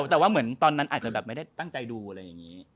แต่ว่าเหมือนตอนนั้นอาจจะแบบไม่ได้ตั้งใจดูอะไรอย่างนี้